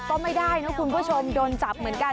ก็ไม่ได้นะคุณผู้ชมโดนจับเหมือนกัน